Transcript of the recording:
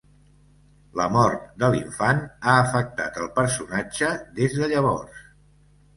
La mort de l'infant ha afectat el personatge des de llavors.